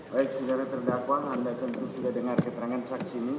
baik saudara terdakwa anda tentu sudah dengar keterangan saksi ini